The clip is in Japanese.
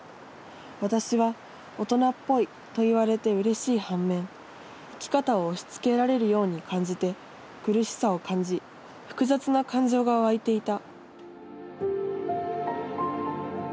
私は『大人っぽい』と言われてうれしい反面生き方を押しつけられるように感じて苦しさを感じ複雑な感情が湧いていた」。